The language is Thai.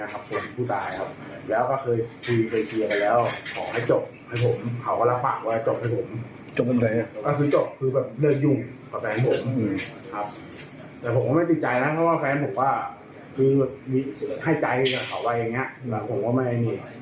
คือพอมานึกถึงว่าใครให้จบใครตัวเนี่ย